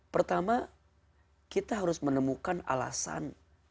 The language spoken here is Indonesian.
pertama kita harus menemukan alasan